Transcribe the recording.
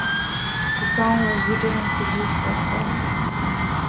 The song was written and produced by Jackson.